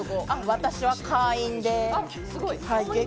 私は会員です。